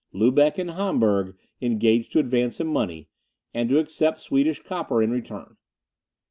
Lubeck and Hamburg engaged to advance him money, and to accept Swedish copper in return.